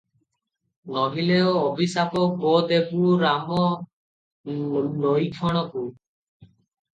ନୋହିଲେ ଅଭିଶାପ ଗୋ ଦେବୁ ରାମ ଲଇକ୍ଷଣକୁ ।'